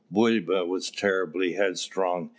Bulba was terribly headstrong.